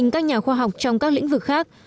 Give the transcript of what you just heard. các nhà khoa học trong các lĩnh vực khác